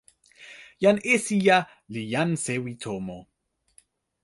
jan Esija li jan sewi tomo.